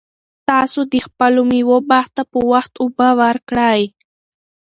تاسو د خپلو مېوو باغ ته په وخت اوبه ورکړئ.